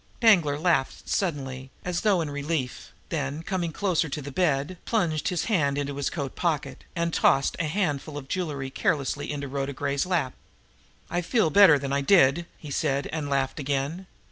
Danglar laughed suddenly, as though in relief; then, coming closer to the bed, plunged his hand into his coat pocket, and tossed handful of jewelry carelessly into Rhoda Gray's lap. "I feel better than I did!" he said, and laughed again.